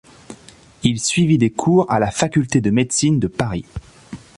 Il suivit des cours à la faculté de médecine de Paris.